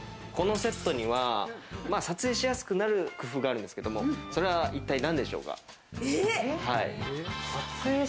このセットには撮影しやすくなる工夫があるんですけれど、それは一体何でしょうか？